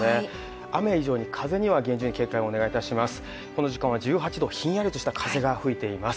雨以上に風には厳重に警戒をお願いいたします